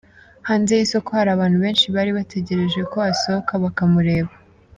Hanze y'isoko hari abantu benshi bari bategereje ko asohoka bakamureba.